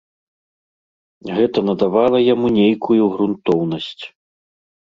Гэта надавала яму нейкую грунтоўнасць.